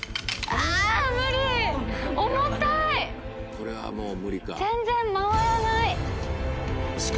これはもう無理か？